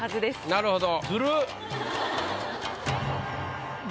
なるほど。